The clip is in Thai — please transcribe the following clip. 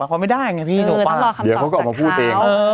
เขาไม่ได้ไงพี่ถูกป่ะเดี๋ยวเขาก็ออกมาพูดเอง